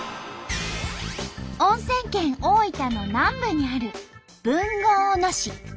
温泉県大分の南部にある豊後大野市。